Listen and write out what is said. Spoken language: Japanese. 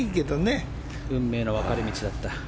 運命の分かれ道だった。